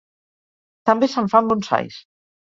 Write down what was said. També se'n fan bonsais.